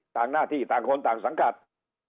ต่างหน้าที่ต่างคนต่างสังคัตร